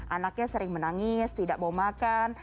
anaknya sering menangis tidak mau makan